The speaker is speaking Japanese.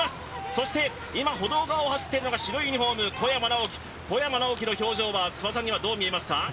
そして今、歩道側を走っているのが白いユニフォーム、小山直城、小山直城の表情は諏訪さんにはどう見えますか？